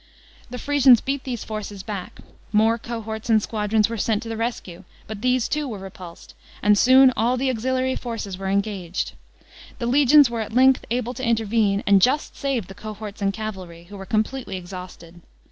The Frisians beat these forces back ; more cohorts and squadrons were sent to the rescue, but these too were repulsed ; and soon all the auxiliary forces were engaged. The legions were at length able to intervene, and just saved the cohorts and cavalry, who were com' pletely exhausted.